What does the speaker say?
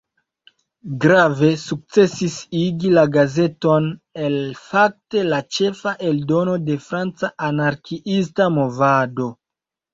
Grave sukcesis igi la gazeton el fakte la "ĉefa" eldono de franca anarkiista movado.